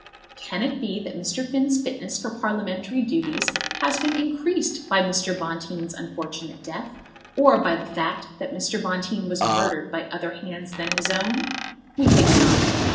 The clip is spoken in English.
Can it be that Mr. Finn's fitness for Parliamentary duties has been increased by Mr. Bonteen's unfortunate death, or by the fact that Mr. Bonteen was murdered by other hands than his own? We think not.